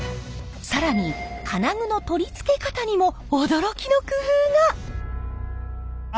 更に金具の取り付け方にも驚きの工夫が！